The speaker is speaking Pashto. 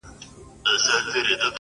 د قرآن دېرسو سېپارو ته چي سجده وکړه,